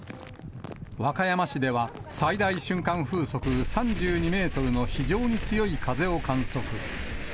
和歌山市では最大瞬間風速３２メートルの非常に強い風を観測。